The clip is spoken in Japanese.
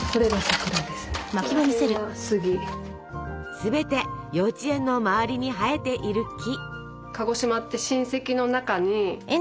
全て幼稚園の周りに生えている木。